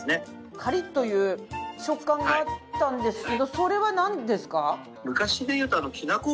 カリッという食感があったんですけどそれはなんですか？